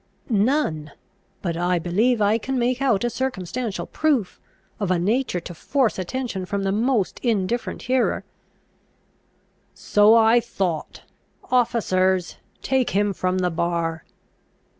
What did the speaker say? "None. But I believe I can make out a circumstantial proof, of a nature to force attention from the most indifferent hearer." "So I thought. Officers, take him from the bar!"